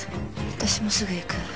私もすぐ行く☎